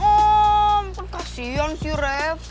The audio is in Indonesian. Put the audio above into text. hai kau berhasil bangun